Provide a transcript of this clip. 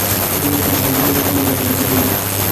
তিনি মূলত হাদীস সম্পর্কিত তিনটি কাজের জন্য পরিচিত: